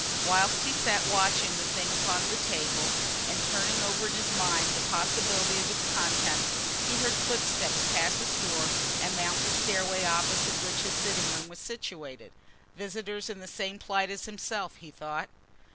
Whilst he sat watching the thing upon the table and turning over in his mind the possibility of its contents, he heard footsteps pass his door and mount the stairway opposite which his sitting room was situated. Visitors in the same plight as himself, he thought.